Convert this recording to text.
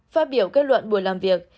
phát biểu kết luận buổi làm việc